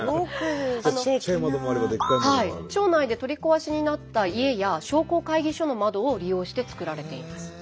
町内で取り壊しになった家や商工会議所の窓を利用して作られています。